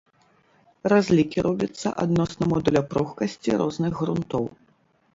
Разлікі робяцца адносна модуля пругкасці розных грунтоў.